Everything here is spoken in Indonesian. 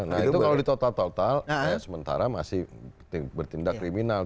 nah itu kalau di total total sementara masih bertindak kriminal